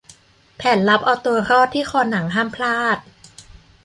แผนลับเอาตัวรอดที่คอหนังห้ามพลาด